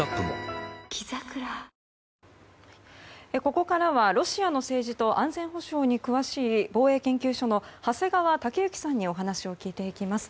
ここからはロシアの政治と安全保障に詳しい防衛研究所の長谷川雄之さんにお話を聞いていきます。